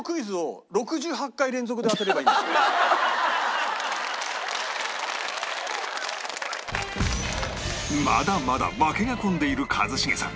いやでもねまだまだ負けが込んでいる一茂さん